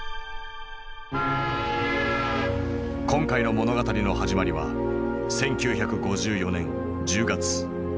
今回の物語の始まりは１９５４年１０月。